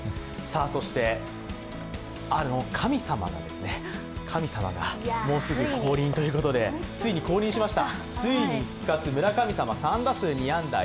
そしてあの神様がもうすぐ降臨ということでついに降臨しました。